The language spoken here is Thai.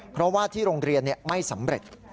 เพราะว่าที่โรงเรียนไม่สำเร็จ